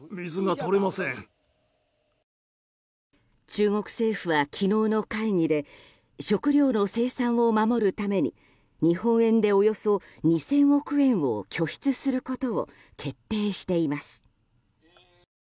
中国政府は、昨日の会議で食料の生産を守るために日本円でおよそ２０００億円を拠出することを決定しています。